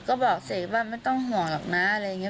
ก็บอกเสกว่าไม่ต้องห่วงหรอกนะอะไรอย่างนี้